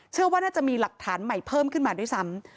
เชื่อว่าน่าจะมีหลักฐานใหม่เพิ่มขึ้นมาด้วยซ้ำ